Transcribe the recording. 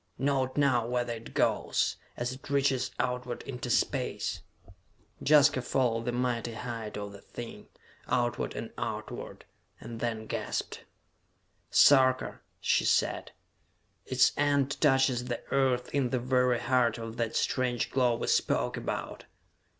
"Note now whether it goes, as it reaches outward into Space!" Jaska followed the mighty height of the thing, outward and outward, and then gasped. "Sarka," she said, "its end touches the Earth in the very heart of that strange glow we spoke about!"